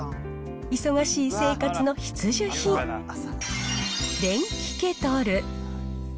忙しい生活の必需品、電気ケトル。